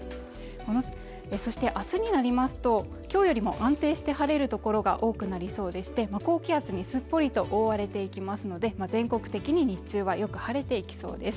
そして明日になりますときょうよりも安定して晴れる所が多くなりそうでして高気圧にすっぽりと覆われていきますので全国的に日中はよく晴れていきそうです